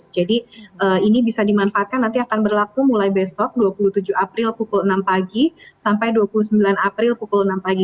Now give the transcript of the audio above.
jadi ini bisa dimanfaatkan nanti akan berlaku mulai besok dua puluh tujuh april pukul enam pagi sampai dua puluh sembilan april pukul enam pagi